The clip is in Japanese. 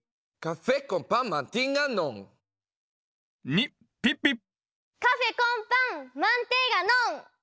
２ピッピカフェコンパンマンテイガノン！